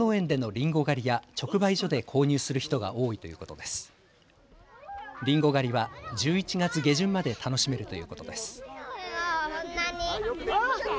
りんご狩りは１１月下旬まで楽しめるということです。